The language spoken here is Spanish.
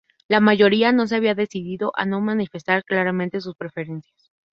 La mayoría no se había decidido o no manifestaba claramente sus preferencias.